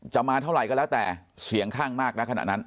มาเท่าไหร่ก็แล้วแต่เสียงข้างมากนะขณะนั้น